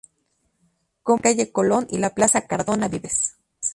Comprende la calle Colón y la plaza Cardona Vives.